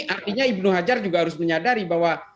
artinya ibnu hajar juga harus menyadari bahwa